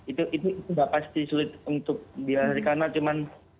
itu nggak pasti sulit untuk dihargai karena cuma